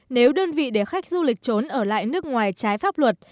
nếu đơn vị để khách du lịch trốn ở lại nước ngoài trái pháp luật